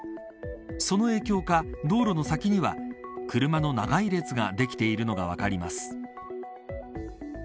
その影響か、道路の先には車の長い列ができているのが分かります。